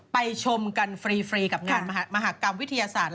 ชมกันฟรีกับงานมหากรรมวิทยาศาสตร์